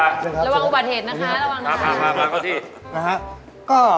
ระวังอวกาศเหตุนะคะ